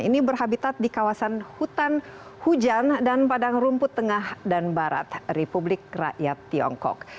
ini berhabitat di kawasan hutan hujan dan padang rumput tengah dan barat republik rakyat tiongkok